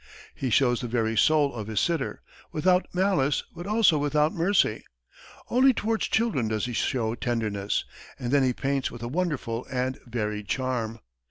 He shows the very soul of his sitter, without malice but also without mercy. Only towards children does he show tenderness, and then he paints with a wonderful and varied charm.